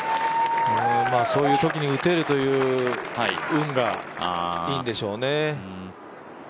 そういうときに打てるという運がいいんでしょうね。